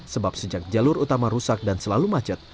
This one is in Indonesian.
sebab sejak jalur utama rusak dan selalu macet